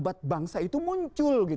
harkat martabat bangsa itu muncul